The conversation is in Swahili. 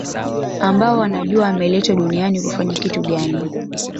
ambao wanajua wameletwa duniani kufanya kitu gani